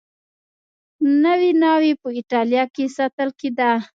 نوې ناوې په اېټالیا کې ساتل کېده.